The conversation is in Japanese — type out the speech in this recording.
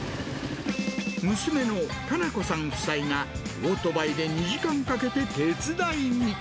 娘の加奈子さん夫妻がオートバイで２時間かけて手伝いに。